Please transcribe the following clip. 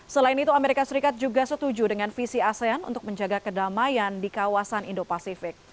selain itu amerika serikat juga setuju dengan visi asean untuk menjaga kedamaian di kawasan indo pasifik